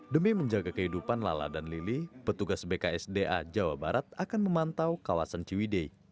demi menjaga kehidupan lala dan lili petugas bksda jawa barat akan memantau kawasan ciwidei